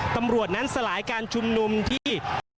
ตำรวจนั้นสลายการชุมนุมที่